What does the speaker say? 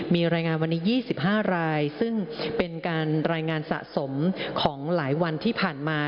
มีรายงานวันนี้๒๕รายซึ่งเป็นการรายงานสะสมของหลายวันที่ผ่านมา